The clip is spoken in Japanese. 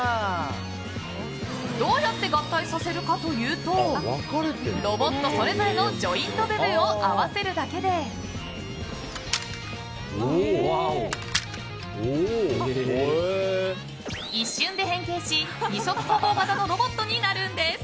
どうやって合体させるかというとロボットそれぞれのジョイント部分を合わせるだけで一瞬で変形し、二足歩行型のロボットになるんです。